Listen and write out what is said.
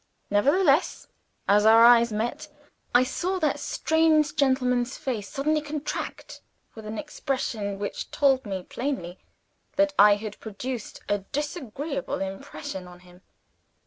Nevertheless, as our eyes met, I saw the strange gentleman's face suddenly contract, with an expression which told me plainly that I had produced a disagreeable impression on him.